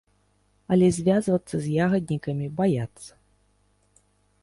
Але звязвацца з ягаднікамі баяцца.